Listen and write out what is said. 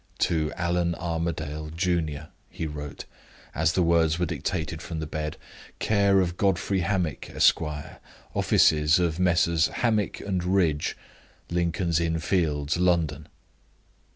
"To Allan Armadale, junior," he wrote, as the words were dictated from the bed. "Care of Godfrey Hammick, Esq., Offices of Messrs. Hammick and Ridge, Lincoln's Inn Fields, London."